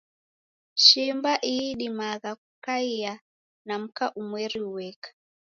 Shimba iidimagha kukaia na mka umweri ueka.